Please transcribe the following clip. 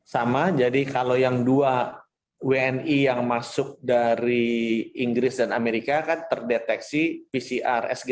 sama jadi kalau yang dua wni yang masuk dari inggris dan amerika kan terdeteksi pcr sg